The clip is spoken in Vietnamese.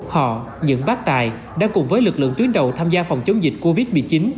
họ những bác tài đã cùng với lực lượng tuyến đầu tham gia phòng chống dịch covid một mươi chín